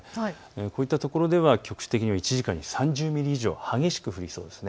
こういったところでは局地的に１時間に３０ミリ以上、激しく降りそうです。